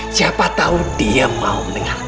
siapa tahu dia mau mendengar